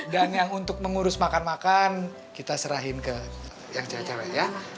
dan yang untuk mengurus makan makan kita serahin ke yang cewek cewek ya